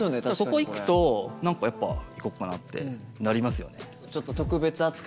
ここ行くと何かやっぱ行こうかなってなりますよね。